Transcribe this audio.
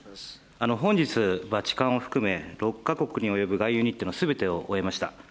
本日、バチカンを含め、６か国に及ぶ外遊日程のすべてを終えました。